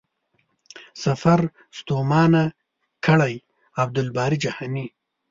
سفر ستومانه کړی.عبدالباري جهاني